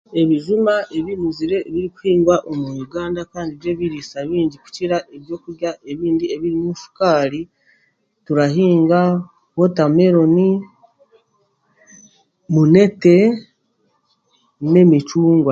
Ebijuma ebinuzire ebirikuhingwa omuri uganda kandi n'ebiriisa bingi kukira ebyokurya ebindi ebirimu shukaari turahinga wotameroni, munete, n'emicungwa